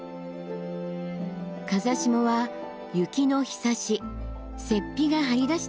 風下は雪のひさし雪庇が張り出している。